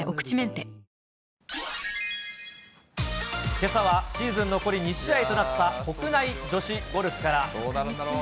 けさは、シーズン残り２試合となった国内女子ゴルフから。